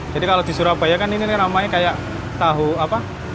jadi kalau di surabaya kan ini namanya kayak tahu apa